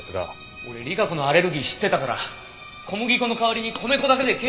俺莉華子のアレルギー知ってたから小麦粉の代わりに米粉だけでケーキ作ったんだよ。